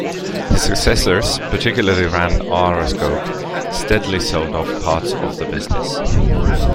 His successors, particularly Rand Araskog, steadily sold off parts of the business.